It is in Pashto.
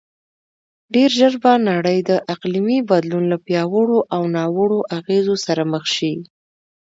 ډېرژر به نړی د اقلیمې بدلون له پیاوړو او ناوړو اغیزو سره مخ شې